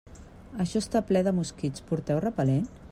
Això està ple de mosquits, porteu repel·lent?